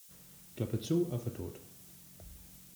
Klappe zu, Affe tot.